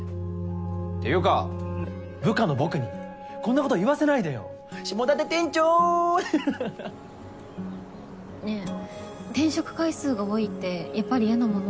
ていうか部下の僕にこんなこと言わせないでよ下館店長ははははっ。ねえ転職回数が多いってやっぱり嫌なもの？